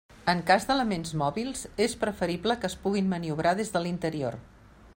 En cas d'elements mòbils és preferible que es puguin maniobrar des de l'interior.